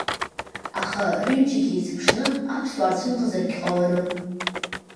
Аха рҩыџьегь еицеиԥшны аԥсуаа рцәымӷзар ҟаларын.